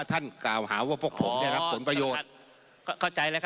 ท่านก่าวหาว่าพวกผมได้ครับผลประโยชน์